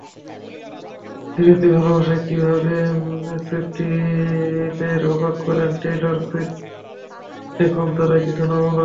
ফিরতি ভালোবাসায় কীভাবে সুইফটিদের অবাক করেন টেইলর সুইফট, দেখুন তারই কিছু নমুনা।